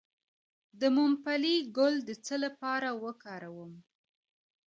د ممپلی ګل د څه لپاره وکاروم؟